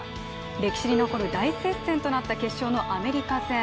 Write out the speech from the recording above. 歴史に残る大接戦となった決勝のアメリカ戦。